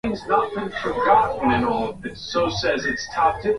iliyokuwa lugha yake ya kwanzakumi na moja Wakati wa likizo Nkrumah alipenda kwenda